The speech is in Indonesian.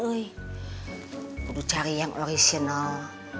aku cari yang original